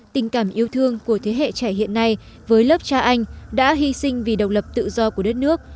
tình cảm yêu thương của thế hệ trẻ hiện nay với lớp cha anh đã hy sinh vì độc lập tự do của đất nước